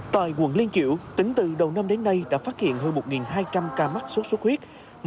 tại quận liên kiểu tính từ đầu năm đến nay đã phát hiện hơn một hai trăm linh ca mắc sốt xuất huyết